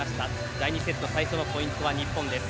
第２セット最初のポイントは日本です。